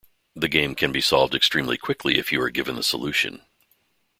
The game can be solved extremely quickly if you are given the solution.